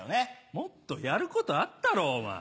もっとやることあったろうお前